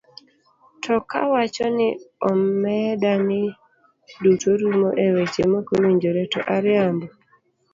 To kawacho ni omeda ni duto rumo e weche makowinjore, to ariambo?